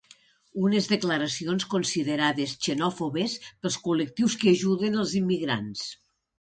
Unes declaracions considerades xenòfobes pels col·lectius que ajuden els migrants.